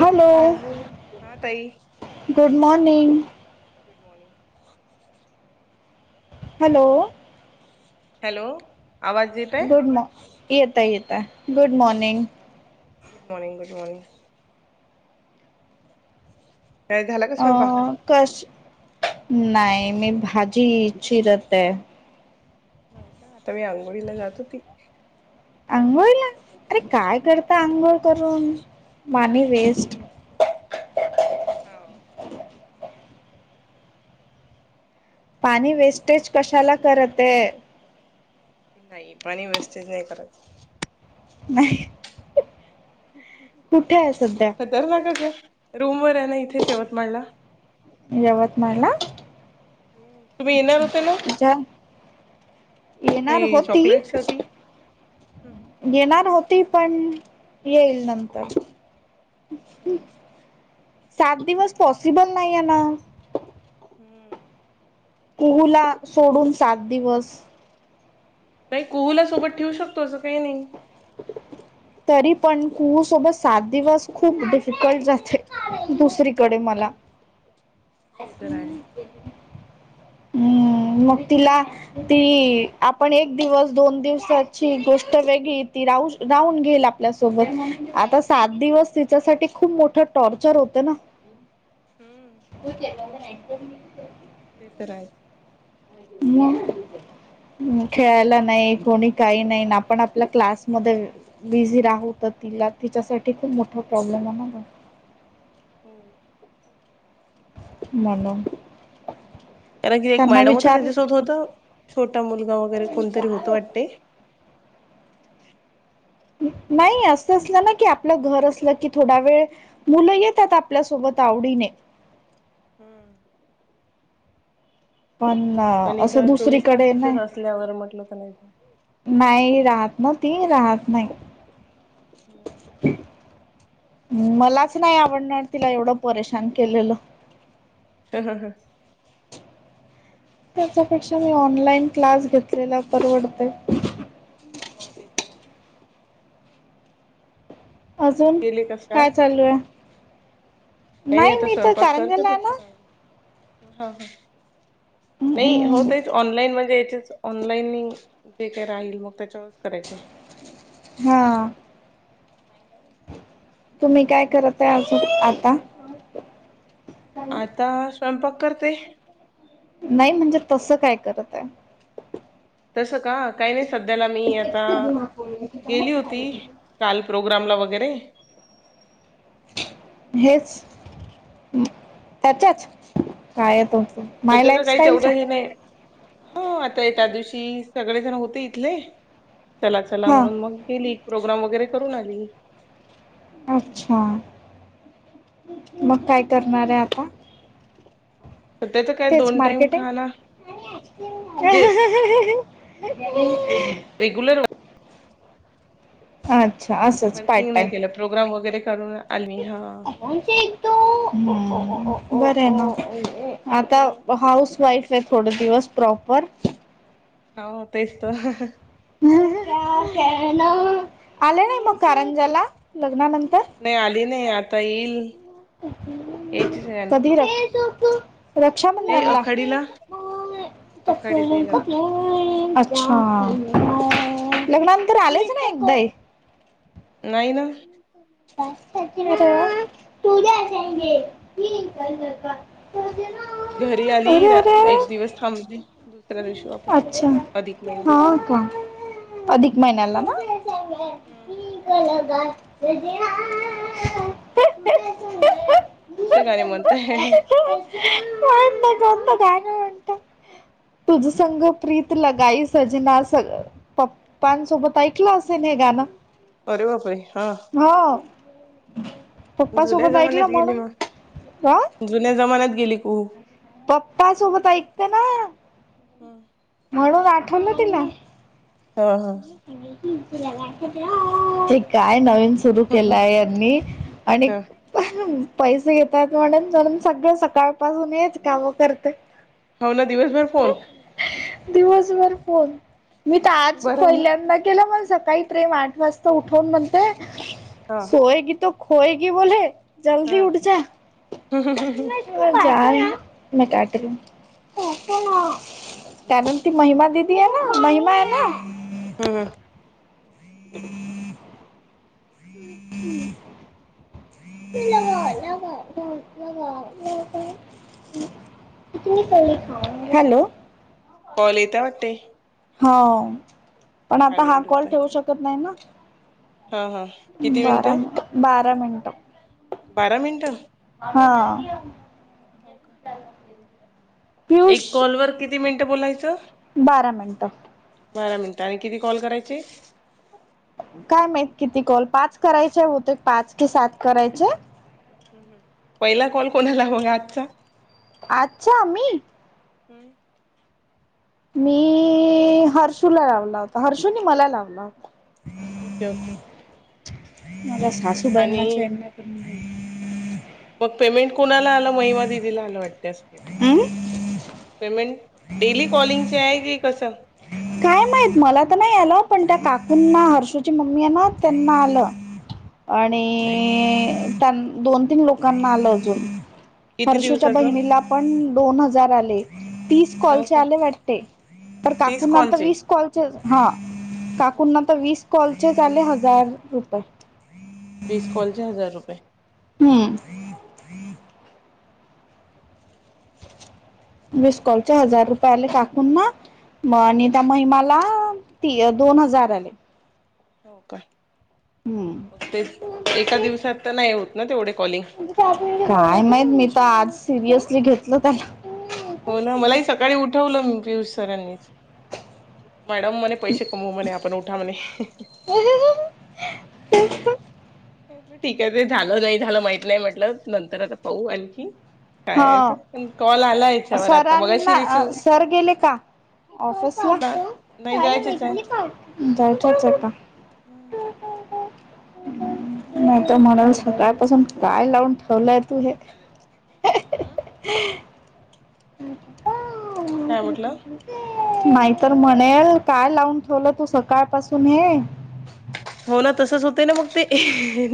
Hello, हा ताई good morning. Good morning. Hello. Hello, आवाज येत आहे. गुड मॉ येतंय येतंय गुड मॉर्निंग हा, गुड मॉनिंग गुड मॉनिंग काय झाला का स्वयंपाक कस नाही मी भाजी चिरत ये. हो का आता मी आंघोळीला जात होती. आंघोळला अरे काय हम्म करता आंघोळ करून पाणी वेस्ट हम्म हो. पाणी वेस्टेज कशाला करत ये. नाही पाणी वेस्टेज नाही करत‌. नाही. [inaudible] कुठे ये सध्या तर ना रूम वर ये ना इथे यवतमाळला यवतमाळला हम्म तुम्ही येणार अच्छा होता ना अच्छा ते येणार होती चॉकलेट साठी हम्म येणार होती पण येईल नंतर का? सात दिवस पॉसिबल नाही ये ना हम्म. कुहूला सोडून सात दिवस नाही, कुहुला सोबत ठेवू शकतो असं काही नाही. तरी पण कुहू सोबत सात दिवस खूप डिफिकल्ट जाते दुसरी हम्म, ते तर आहेच. [inaudible] हम्म. मग तिला ती आपण एक दिवस दोन दिवसाची गोष्ट वेगळी ती राहू शक लावून घेईल आपल्यासोबत. आता सात दिवस तिच्यासाठी खूप मोठं टॉर्चर होतं ना. हम्म. [unintelligible] ते तर आहे. [inaudible] ह खेळायला नाही कोणी काही नाही आपण आपल्या क्लासमध्ये बिझी राहू. त तिला तिच्यासाठी खूप मोठा प्रॉब्लेम होणार ना. हम्म. मनून. कारण की एक मॅडम होतं त्याच्यासोबत होत छोटा मुलगा वगैरे कोणतरी होत वाटते. नाही असं असलं ना की आपलं घर असलं की थोडा वेळ मुलं येतात आपल्यासोबत आवडीने. ह्म्म‌. पण पण असं इथं चोवीस तास दुसरीकडे तिथंच नाही. असल्यावर म्हटलं तर नाही का. नाही राहत न ती राहत नाही‌. [inaudible] मलाच नाही आवडणार तिला एवढं परेशान केलेलं. ह ह ह. त्याच्यापेक्षा हे ऑनलाईन क्लास घेतलेलं परवडते. नव्हते करत‌. अजून केले का काय स्टार्ट चालूए? काही नाही आता मी तर करंजाला आला. ह. नाही हम्म होत आहेत ऑनलाईन म्हणजे याचेच ऑनलाईनीग. जे काय राहील मग त्याच्यावरच करायच. हा. तुम्ही काय करत आहे अजून आता? आता स्वयंपाक करते. नाही म्हणजे तसं काय करता? तसं का? काही नाही सध्याला मी आता गेली होती. काल प्रोग्रामला वगैरे. हेच. त्याच्याच काय येतात. सध्या तर काही तेवढं हे नाही. हो. आता त्या दिवशी सगळे जण होते इथले. चला चला हा म्हणून मग गेली. प्रोग्राम वगैरे करून आली. अच्छा! मग काय करणारे आता? सध्याच काय तेच दोन टाइम मार्केटिंग. खाना जे रेगुलर वर‌. अच्छा! आस वर्किंग नाही केलं. प्रोग्राम वगैरे करूनअ बर आहे मग. आता हाऊस वाईफ हाय थोडे दिवस प्रॉपर. हाउ तेच तर. ह ह. आले नाही मग कारंजाला लग्नानंतर. नाही आली नाही आता येईल यायचीच आहे आणखी कधी [unintelligible] नाही रक्षाबंधनला आखाडीला आखाडीला येईल आखाडीला [unintelligible] अच्छा लग्नानंतर आलेच नाही एकदाही नाही ना काय करतील तूझ्या संगे मी कळल का घरी आली रा अरे एक दिवस थांबली दुसऱ्या दिवशी वा वापस आलो अच्छा अधिक महिना हा का हू अधिक महिन्याला ना [unintelligible] कोणते गाणे म्हणते हे हे माहित नाही कोणत गाण म्हणतो तूज संंग प्रीत लगाई सजना अस पप्पांसोबत ऐकलं असेन हे गाणं अरे बापरे हा हा जुन्या पप्पासोबत जमान्यात ऐकलं गेली म्हणून मग हा जुन्या जमान्यात गेली कुहू पप्पासोबत ऐकते ना हू म्हणून आठवलं तिनं हां हां हे काय नवीन सुरू केलाय यांनी आणि पैसे घेतात म्हणून म्हणून सगळं सकाळपासून हेच काम करतोय हो ना दिवसभर फोन दिवसभर फोन मी तर आज बर हो ना नाही केलं म सकाळी प्रेम आठ वाजता उठवून म्हणतोय हा सोयेगी तो खोयेगी बोले की हा जल्दी उठ जा जा रही हू मे डाट रही हू [unintelligible] काय म्हणती महिमा दिदी हाय ना महिमा आहे ना हू हू [inaudible] [unintelligible] हॅलो कॉल येत वाटते हो पण आता हा व्हायब्रेट कॉल होतय ठेवू शकत नाही ना हा हा किती बारा मिनिटं बारा मिनटं बारा मिनटं हा हो का पियुष एक कॉल वर किती मिनिटं बोलायचं बारा मिनटं बारा मिनट आणि किती कॉल करायचे काय माहित किती कॉल पाच करायचे होते पाच कि सात करायचे पहिला कॉल कोणाला मग आजचा अच्छा, मी? मी हर्षूला लावला होता. हर्षूनी मला लावला होता. Okay okay. मला आणि सासूबाईंना [unintelligible] मग पेमेंट कुणाला आलं? महिमा दिदीला आलं वाटतं हं? पेमेंट? डेली कॉलिंगच आहे की कसं? काय माहीत मला तर नाही आलं, पण त्या काकूंना हर्षूची मम्मी ये ना त्यांना हम्म आलं हा हा. आणि दोन, तीन लोकांना आलं अजून. किती हर्षूच्या दिवसाचं बहिणीला पण दोन हजार आले. तीस हो कॉलचे का आले वाटतेय, तर तीस काकूं कॉलचे तीस कॉलचे? हा काकूंना तर वीस कॉलचेच आले हजार रुपये. वीस कॉलचे हजार रुपये. हम्म. हम् हम वीस कॉलचे हजार रुपये आले काकूंना म आणि त्या महिमाला ती दोन हजार आले. हो का? हम्म मग ते एका दिवसात तर नाही होत ना तेवढे कॉलिंग? काय माहीत? मी तर आज सिरियसली घेतलं त्याला. हो ना. मलाही सकाळी उठवलं मी पियुष सरांनी. मॅडम, म्हणे पैसे कमवू म्हणे आपण उठा म्हणे. [unintelligible] ठीक आहे. ते झालं, नाही झालं, माहित नाही म्हटलं, नंतर आता पाहू आणखी. काय तर हा, पण कॉल आला याच्यावर आता मगाशी सरांना रिसिव सर गेले का? ऑफिसला? नाही जायचेच जायच्यात आता. हम्म. नाही तर म्हणेल, सकाळपासून काय लावून ठेवलंय तू हे? काय म्हटलं? [unintelligible] नाहीतर म्हणेल, काय लावून ठेवलं तू सकाळ पासून हे? हो ना. तसच होतय ना, मग ते.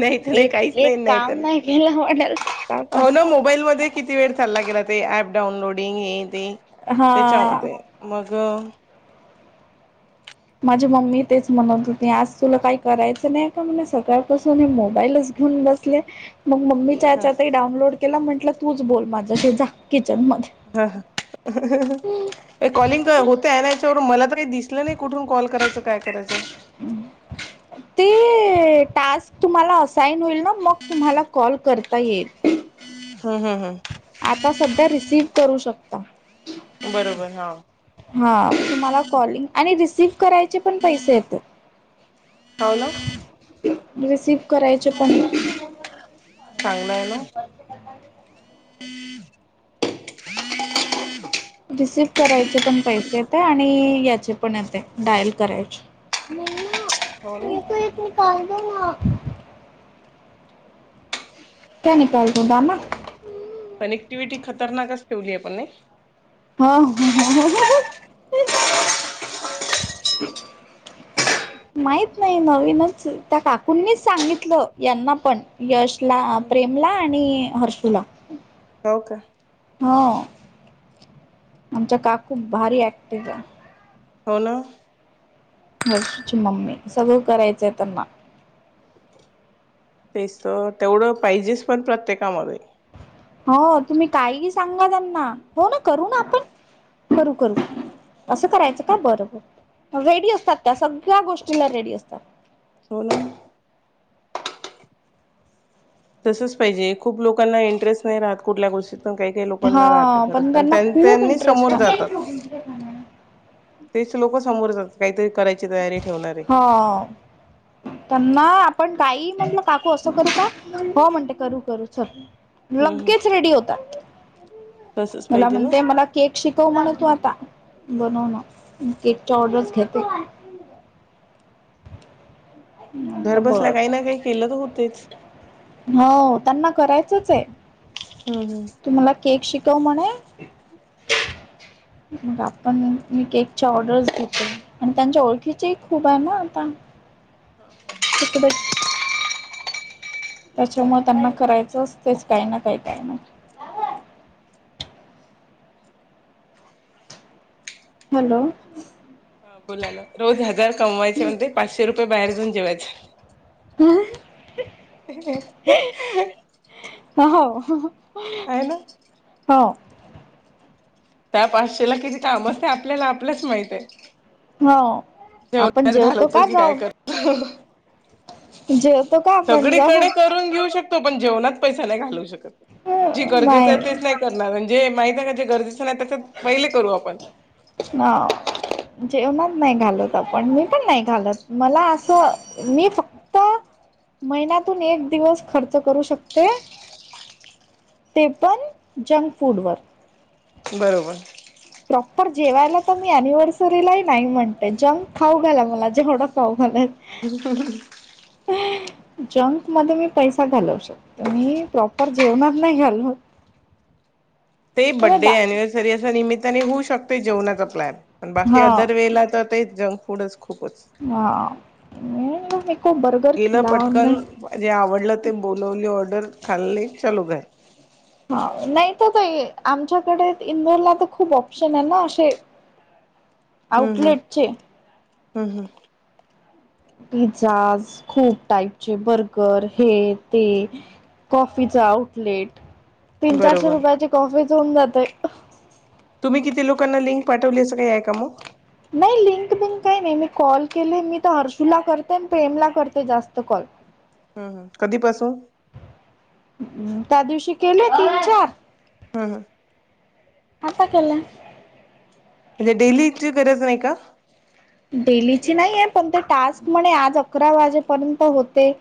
नाही तर नाही, एक काहीच नाही, एक नाही तर काम केलं म्हणेल नाही, हो ना. सकाळपासून मोबाईल मध्ये किती वेळ चालला गेला ते ऍप डाउनलोडिंग हे ते त्याच्या वर हा ते मग माझी मम्मी तेच म्हणत होती. आज तुला काही करायचं नाही का म्हणे? सगळ्यापासून हे मोबाईलच घेऊन बसले, मग मम्मी ह च्यातही डाउनलोड केला. म्हंटलं, तूच बोल माझ्याशी जा किचनमध्ये. हा हा. कॉलिंग होत आहे याच्यावरून, मला तर काही दिसलं नाही. कुठून कॉल करायचं? काय करायचं? [inaudible] ते टास्क तुम्हाला असाईन होईल ना, मग तुम्हाला कॉल करता येईल. हं हं हं. आता सध्या रिसीव्ह करू शकता. बरोबर हा हा, तुम्हाला कॉलिंग आणि रिसिव्ह करायचे पण पैसे येतेत. होव ना. रिसीव्ह करायचे पण चांगलय ना. रिसीव्ह करायचे पण पैसे तंय आणि याचे पण येते डायल करायचे. हो ना. [unintelligible] [inaudible] पण ऍक्टिव्हिटी खतरनाकच ठेवली हाय पण नाही. हा माहित नाही नवीनचए त्या काकूंनीच सांगितलं यांना पण. यशला, हम्म हम् प्रेमला आणि हर्षूला. हो का? हा आमच्या काकू भारी ऍक्टिव आहे. हो ना. हर्षुची मम्मी सगळं करायचंय त्यांना तेच तर तेवढं पाहिजेच पण प्रत्येकामध्ये. हा तुम्ही काहीही सांगा त्यांना हो ना करू ना आपण. करू करू असं करायचं का बर बर. रेडी असतात त्या सगळ्या गोष्टीला रेडी असतात. हो ना. तसच पाहिजे खूप लोकांना इंटरेस्ट नाही राहत कुठल्या गोष्टी काही काही लोकांना राहते हा खरच पण त्यांना त्यां खूप त्यांनीच समोर इंटरेस्ट आहे जातात. तेच लोकं समोर जातात काहीतरी कराय हा त्यांना आपण काहीही म्हटलं काकू असं करू का हो म्हणते करू करू चल. हम्म हम्म लगेच रेडी होतात. तसच मला पाहिजे ना म्हणते मला केक शिकव म्हण तू आता बनवणं. मी केकच्या ऑर्डर्स घेते. घर म्हटलं बसल्या बर काही ना काही केलं तर होतेच. हो त्यांना करायचंच आहे. हम्म हम्म तु मला केक शिकव म्हणे मग आपण मी केकच्या ऑर्डर्स घेते आणि त्यांच्या ओळखीच्या ही खूप आहे ना आता हं हं तिकडे त्याच्यामुळे त्यांना करायचं असतेच काय ना काय काय ना काय हॅलो हा बोला ना रोज हजार कमवायचे म्हणते पाचशे रुपये बाहेर जाऊन जेवायचे. [inaudible] ह हो आहे ना हो त्या पाचशे ला किती काम असते आपल्याला आपलचं माहित आहे हो आपण जेवण्यात जेवतो घालवतो का की काय जाऊन करतो? जेवतो का? आपण जाऊन सगळीकडे करून घेऊ शकतो पण जेवणात पैसा नाही घालवू शकत जे गरजेचं आहे तेच नाही करणार अन जे माहित आहे ना जे गरजेचं नाही त्याच्यात पहिले करू आपण ह जेवणात नाही घालत आपण मी पण नाही मग. घालत मला असं मी फक्त महिन्यातून एक दिवस खर्च करू शकते. ते पण जंक फूडवर. बरोबर. प्रॉपर जेवायला तर मी अनिव्हर्सरीलाही नाही म्हणते. जंक खाऊ घाला मला जेवढ - घाला. जंक मध्ये मी पैसा घालवू शकते. पण हे प्रॉपर जेवणात नाही घालत. ते बड्डे दा अनिव्हर्सरी अशा निमित्याने होऊ शकते जेवणाचा प्लॅन. आणि बाकी हा अदर वेळेला तर ते जंक फूडच खूपच. हा. [unintelligible] बर्गर गेलं खिलाने पटकन - जे आवडलं ते बोलवली ऑर्डर खाल्ली. चलो घर. हां. नाही तर ते आमच्याकडे इंदोरला तर खूप ऑप्शन आहे ना असे- ह हम्म. हम्. हम्म. हम्म. पिझ्झाज खूप टाईपचे बर्गर हे ते. कॉफीच आउटलेट. तीन चारशे बरोबर. रुपयाची कॉफीच होऊन जाते. तुम्ही किती लोकांना लिंक पाठवली असं काही आहे का मग? नाही लिंक बिंक काही नाही. मी कॉल केले मी तर हर्षूला करते अन प्रेमला करते जास्त कॉल. ह हम्म. कधीपासून? अं. त्या दिवशी केले तीन चार. हां. आता केला. म्हणजे डेलीची गरज नाही का? डेलीची नाहीए. पण ते टास्क म्हणे आज अकरा वाजेपर्यंत होते.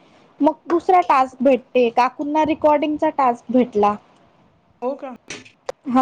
मग दुसरा टास्क भेटते. काकूंना रेिकॉर्डिंगचा टास्क भेटला. हो का?